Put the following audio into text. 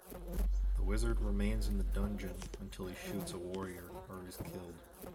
The Wizard remains in the dungeon until he shoots a Warrior or is killed.